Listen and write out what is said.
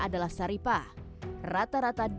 adalah saripah rata rata